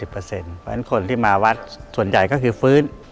เพราะฉะนั้นคนที่มาวัดส่วนใหญ่ก็คือฟื้น